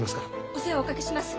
お世話をおかけします。